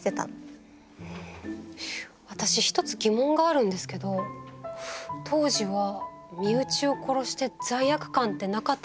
私一つ疑問があるんですけど当時は身内を殺して罪悪感ってなかったんでしょうか。